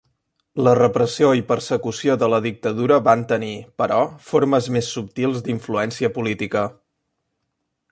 La repressió i persecució de la dictadura van tenir, però, formes més subtils d'influència política.